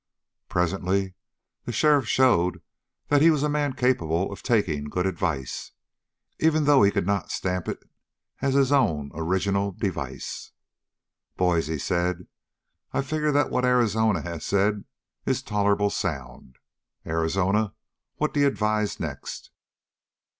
Presently the sheriff showed that he was a man capable of taking good advice, even though he could not stamp it as his own original device. "Boys," he said, "I figure that what Arizona has said is tolerable sound. Arizona, what d'you advise next?"